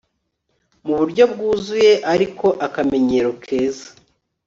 mu buryo bwuzuye ariko akamenyero keza